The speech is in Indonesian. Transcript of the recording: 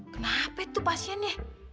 kenapa itu pasiennya